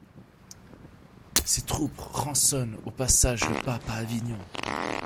Ses troupes rançonnent au passage le pape à Avignon.